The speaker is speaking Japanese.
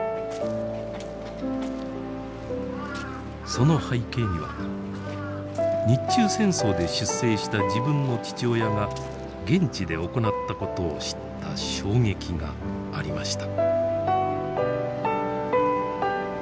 その背景には日中戦争で出征した自分の父親が現地で行ったことを知った衝撃がありました。